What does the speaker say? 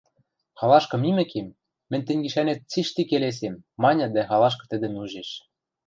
Халашкы мимӹкем, мӹнь тӹнь гишӓнет цишти келесем, – маньы дӓ халашкы тӹдӹм ӱжеш.